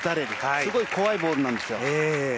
すごい怖いボールなんですよ。